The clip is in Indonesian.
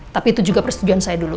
tapi itu juga persetujuan saya dulu